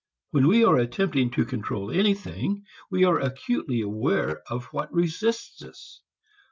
When we are attempting to control anything we are acutely aware of what resists us.